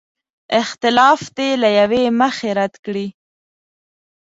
اختلاف دې له یوې مخې رد کړي.